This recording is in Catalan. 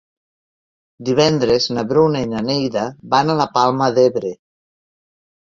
Divendres na Bruna i na Neida van a la Palma d'Ebre.